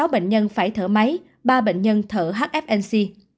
sáu mươi sáu bệnh nhân phải thở máy ba bệnh nhân thở hfnc